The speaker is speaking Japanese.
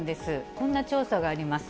こんな調査があります。